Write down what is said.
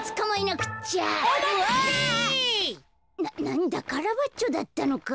なんだカラバッチョだったのか。